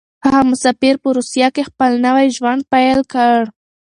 هغه مسافر په روسيه کې خپل نوی ژوند پيل کړ.